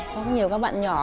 có nhiều các bạn nhỏ